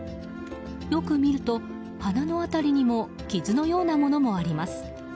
よく見ると鼻の辺りにも傷のようなものもあります。